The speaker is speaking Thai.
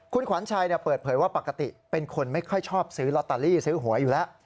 คุณขวัญชัยเปิดเผยว่าปกติเป็นคนไม่ค่อยชอบซื้อลอตเตอรี่ซื้อหวยอยู่แล้ว